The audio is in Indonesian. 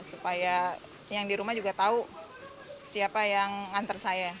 supaya yang di rumah juga tahu siapa yang nganter saya